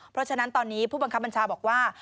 เพราะฉะนั้นตอนนี้ผู้บังคับบัญชาบอกว่า